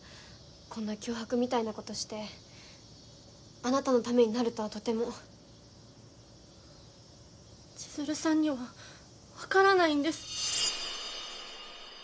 こんな脅迫みたいなことしてあなたのためになるとはとても千鶴さんには分からないんです